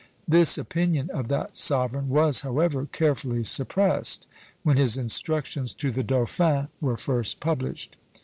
This opinion of that sovereign was, however, carefully suppressed, when his "Instructions to the Dauphin" were first published.